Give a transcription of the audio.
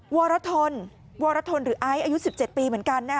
วรทนวรทนหรือไอซ์อายุ๑๗ปีเหมือนกัน